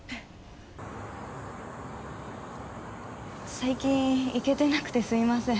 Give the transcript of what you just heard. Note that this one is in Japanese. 最近行けてなくてすみません。